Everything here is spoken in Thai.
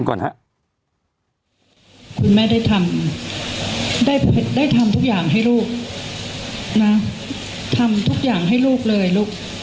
คุณแม่ได้ทำได้ทำทุกอย่างให้ลูกนะทำทุกอย่างให้ลูกเลยลูก